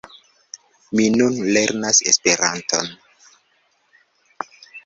Mi nun lernas Esperanton.